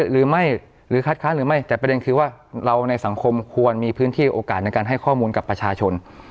เราพูดถึงตอนนั้นผู้ผมลงทำเรื่องสิทธิชมชน